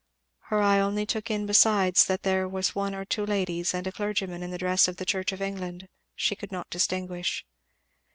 Her eye only took in besides that there were one or two ladies, and a clergyman in the dress of the Church of England; she could not distinguish.